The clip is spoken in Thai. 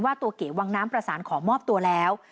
ตัวเก๋วังน้ำประสานขอมอบตัวแล้ว